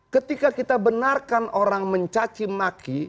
ketika kita benarkan orang mencaci maki